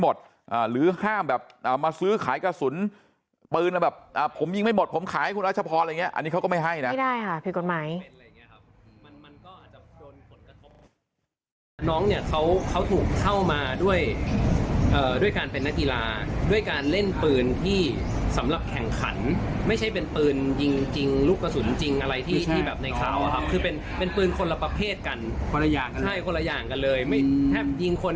มาซื้อขายกระสุนปืนแบบผมยิงไม่หมดผมขายให้คุณรัชพรอะไรอย่างเงี้ยอันนี้เขาก็ไม่ให้ไม่ได้ค่ะผิดกฎหมายน้องเนี่ยเขาเขาถูกเข้ามาด้วยด้วยการเป็นนักกีฬาด้วยการเล่นปืนที่สำหรับแข่งขันไม่ใช่เป็นปืนยิงจริงลูกกระสุนจริงอะไรที่ที่แบบในคราวอะครับคือเป็นเป็นปืนคนละประเภทกันคนละอย่างใช่คนละอย่างก